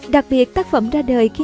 đặc biệt tác phẩm ra đời khi